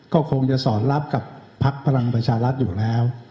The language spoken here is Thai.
ก็คงจะสอนลับกับพลักษณ์พลังประชาลัทธ์อยู่แล้ว